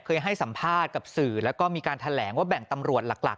ให้สัมภาษณ์กับสื่อแล้วก็มีการแถลงว่าแบ่งตำรวจหลัก